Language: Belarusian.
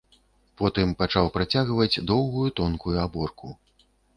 Потым пачаў працягваць доўгую тонкую аборку.